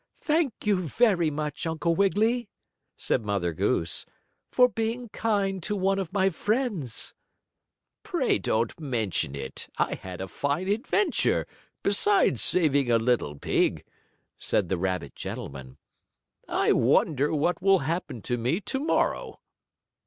"Thank you very much, Uncle Wiggily," said Mother Goose, "for being kind to one of my friends." "Pray don't mention it. I had a fine adventure, besides saving a little pig," said the rabbit gentleman. "I wonder what will happen to me to morrow?"